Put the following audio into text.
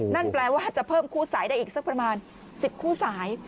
นั่นแปลว่าจะเพิ่มคู่สายได้อีกสักประมาณ๑๐คู่สาย